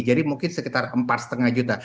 jadi mungkin sekitar empat lima juta